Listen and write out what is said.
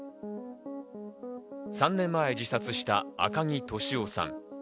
３年前に自殺した赤木俊夫さん。